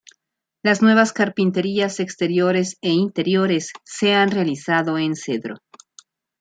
Las nuevas carpinterías exteriores e interiores se han realizado en cedro.